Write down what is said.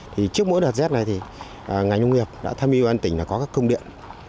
trước mỗi đợt z này ngành nông nghiệp đã tham dự an tỉnh có các công điện